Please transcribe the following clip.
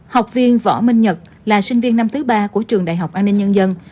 học viên võ minh nhật là sinh viên năm thứ ba của trường đại học an ninh nhân dân